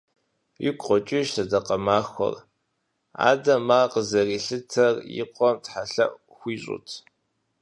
Игу къокӀыж сэдэкъэ махуэр… Адэм ар къызэрилъытэр и къуэм тхьэлъэӀу хуищӀут.